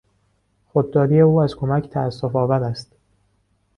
خودداری او از کمک تاسفآور است.